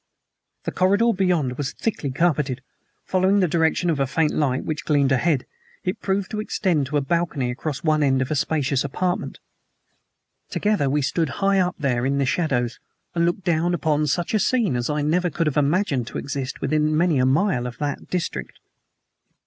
The corridor beyond was thickly carpeted. Following the direction of a faint light which gleamed ahead, it proved to extend as a balcony across one end of a spacious apartment. Together we stood high up there in the shadows, and looked down upon such a scene as I never could have imagined to exist within many a mile of that district.